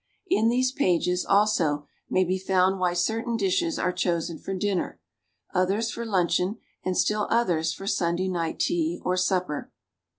In these pages, also, may be found why certain dishes are chosen for dinner, others for luncheon and still others for Sunday night tea or supper.